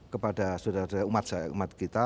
kepada saudara saudara umat kita